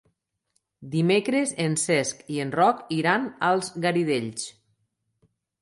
Dimecres en Cesc i en Roc iran als Garidells.